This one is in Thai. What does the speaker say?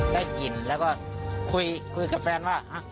ได้กลิ่นแล้วก็คุยกับแฟนว่า